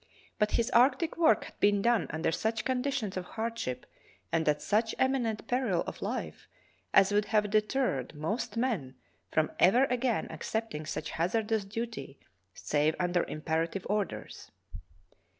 But his arctic work had been done under such conditions of hardship and at such eminent peril of Hfe as would have deterred most men from ever again accepting such hazardous duty save under imperative orders.